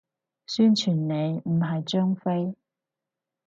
宣傳你，唔係張飛